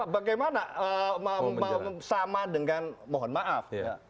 bagaimana sama dengan mohon maaf